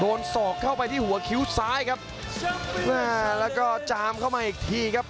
ศอกเข้าไปที่หัวคิ้วซ้ายครับอ่าแล้วก็จามเข้ามาอีกทีครับ